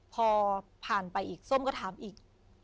พอผ่านไปอีกส้มก็ถามอีก